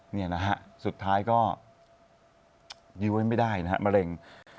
นี่นะฮะสุดท้ายก็ยื้อไว้ไม่ได้นะฮะมะเร็ง